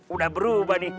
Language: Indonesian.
udah berubah nih